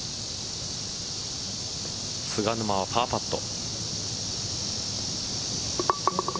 菅沼のパーパット。